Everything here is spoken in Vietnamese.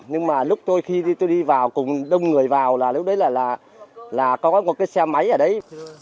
nhưng mà lúc tôi khi tôi đi vào cùng đông người vào là lúc đấy là có một cái xe máy ở đấy